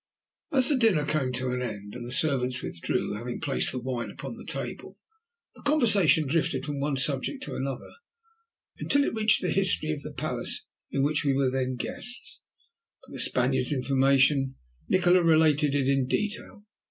At last the dinner came to an end, and the servants withdrew, having placed the wine upon the table. The conversation drifted from one subject to another until it reached the history of the palace in which we were then the guests. For the Spaniard's information Nikola related it in detail.